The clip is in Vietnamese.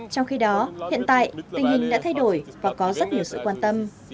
trong khi đó hiện tại tình hình đã thay đổi và có rất nhiều sự quan tâm